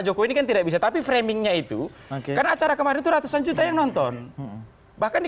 jokowi kan tidak bisa tapi framingnya itu karena acara kemarin tuh ratusan juta yang nonton bahkan di